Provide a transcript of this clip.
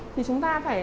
thì chúng ta phải